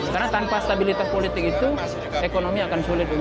karena tanpa stabilitas politik itu tidak akan berjalan jalan